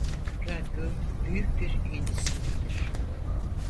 Radyo büyük bir endüstridir.